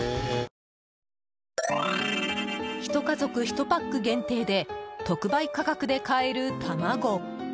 ひと家族１パック限定で特売価格で買える卵。